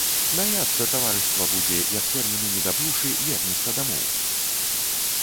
Смяяцца таварыства будзе, як, тэрміну не дабыўшы, вернецца дамоў.